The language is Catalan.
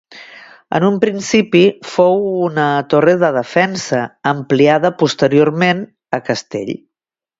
En un principi fou una torre de defensa, ampliada posteriorment a castell.